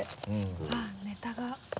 あぁネタが。